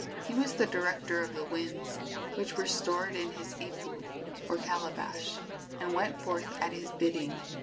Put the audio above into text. He was the director of the winds, which were stored in his ipu, or calabash, and went forth at his bidding.